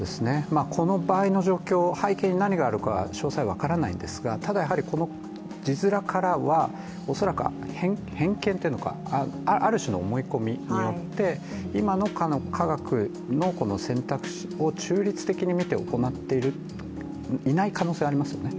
この場合の状況、背景に何があるか、詳細は分からないんですがただ、字面からは、恐らく偏見というのか、ある種の思い込みによって、今の科学の選択肢を中立的に見て行っていない可能性がありますよね。